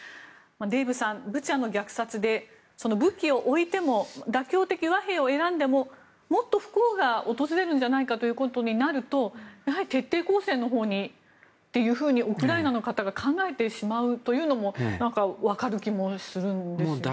デーブさん、ブチャの虐殺で武器を置いても妥協的和平を選んでももっと不幸が訪れるんじゃないかということになるとやはり徹底抗戦のほうにとウクライナの方々が考えてしまうというのも分かる気もするんですよね。